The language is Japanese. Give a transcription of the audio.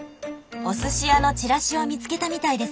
お寿司屋のチラシを見つけたみたいですね。